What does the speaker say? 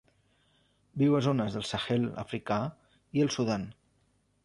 Viu en zones del Sahel africà i el Sudan.